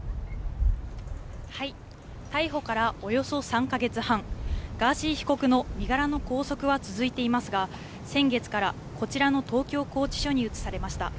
逮捕からおよそ３か月半、ガーシー被告の身柄の拘束は続いていますが、先月からこちらの東京拘置所に移されました。